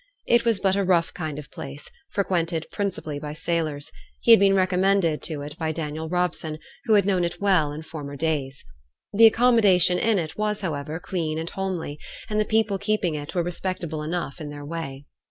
It was but a rough kind of place, frequented principally by sailors; he had been recommended to it by Daniel Robson, who had known it well in former days. The accommodation in it was, however, clean and homely, and the people keeping it were respectable enough in their way.